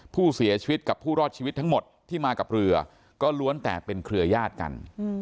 ผู้เสียชีวิตกับผู้รอดชีวิตทั้งหมดที่มากับเรือก็ล้วนแต่เป็นเครือญาติกัน